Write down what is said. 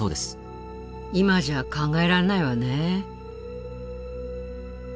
今じゃ考えられないわね。